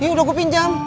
ini udah gue pinjam